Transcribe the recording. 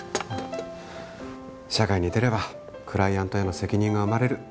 社会に出ればクライアントへの責任が生まれる。